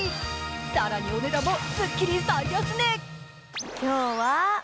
更にお値段もスッキリ最安値。